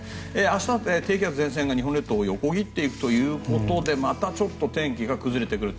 明日低気圧、前線が日本列島を横切っていくということでまた天気が崩れてくる。